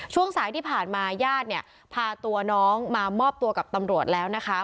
ช่วงสายที่ผ่านมาญาติเนี่ยพาตัวน้องมามอบตัวกับตำรวจแล้วนะคะ